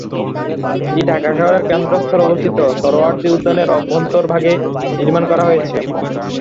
এটি ঢাকা শহরের কেন্দ্রস্থলে অবস্থিত সোহরাওয়ার্দী উদ্যানের অভ্যন্তরভাগে নির্মাণ করা হয়েছে।